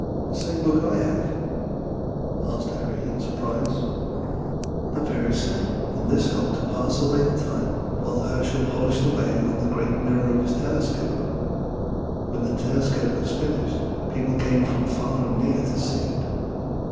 '" "The same book I have?" asked Harry, in surprise. "The very same; and this helped to pass away the time while Herschel polished away on the great mirror of his telescope. When the telescope was finished people came from far and near to see it.